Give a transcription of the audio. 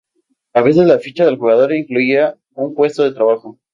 A veces, la ficha de jugador incluía un puesto de trabajo.